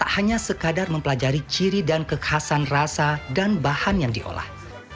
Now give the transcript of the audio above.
tak hanya sekadar mempelajari ciri dan kekhasan rasa dan bahan yang diolah